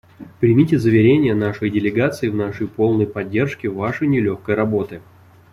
Примите заверения нашей делегации в нашей полной поддержке Вашей нелегкой работы.